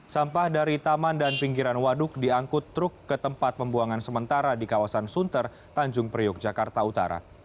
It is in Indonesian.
sampah dari taman dan pinggiran waduk diangkut truk ke tempat pembuangan sementara di kawasan sunter tanjung priok jakarta utara